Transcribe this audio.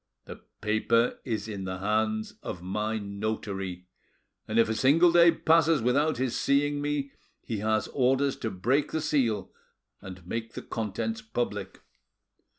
The paper is in the hands of my notary, and if a single day passes without his seeing me he has orders to break the seal and make the contents public.